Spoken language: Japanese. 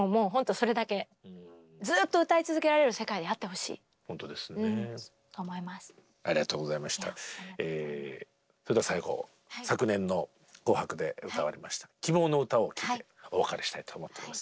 それでは最後昨年の「紅白」で歌われました「希望のうた」を聴いてお別れしたいと思っております。